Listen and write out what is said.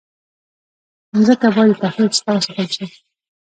مځکه باید د تخریب څخه وساتل شي.